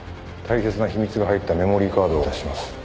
大切な秘密が入ったメモリーカードをお渡しします。